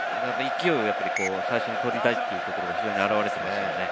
勢いを最初に取りたいというところが表れていますね。